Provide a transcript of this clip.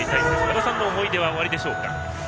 和田さんの思い出はおありでしょうか？